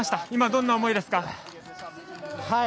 今、どんな思いですか。